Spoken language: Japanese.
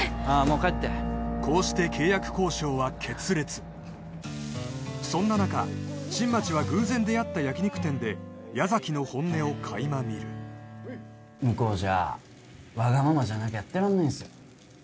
もう帰ってこうして契約交渉は決裂そんな中新町は偶然出会った焼き肉店で矢崎の本音を垣間見る向こうじゃわがままじゃなきゃやってらんないんっすよ